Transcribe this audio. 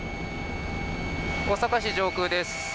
大阪市上空です。